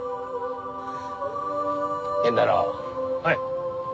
はい。